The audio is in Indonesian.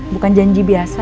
bukan janji biasa